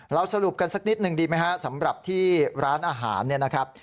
สรุปกันสักนิดหนึ่งดีไหมฮะสำหรับที่ร้านอาหารเนี่ยนะครับ